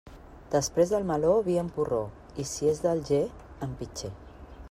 Després del meló, vi en porró, i si és d'Alger, en pitxer.